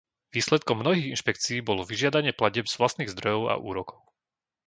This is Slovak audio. Výsledkom mnohých inšpekcií bolo vyžiadanie platieb z vlastných zdrojov a úrokov.